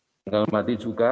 yang kami hormati juga